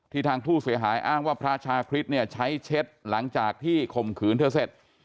ทางผู้เสียหายอ้างว่าพระชาคริสเนี่ยใช้เช็ดหลังจากที่ข่มขืนเธอเสร็จ